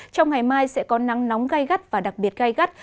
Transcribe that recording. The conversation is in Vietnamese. trong ngày mai sẽ có nắng nóng gai gắt và đặc biệt gai gắt